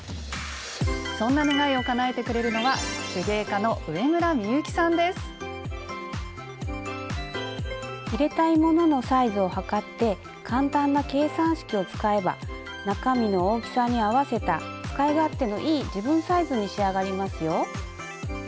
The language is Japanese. そんな願いをかなえてくれるのは入れたいもののサイズを測って簡単な計算式を使えば中身の大きさに合わせた使い勝手のいい自分サイズに仕上がりますよ。